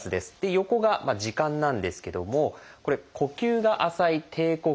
横が「時間」なんですけどもこれ呼吸が浅い「低呼吸」。